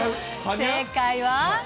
正解は。